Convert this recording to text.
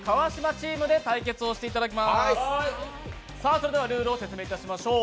それではルールを説明いたしましょう。